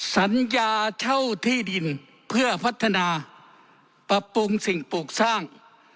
สัญญาเช่าที่ดินเพื่อพัฒนาปรับปรุงสิ่งปลูกสร้าง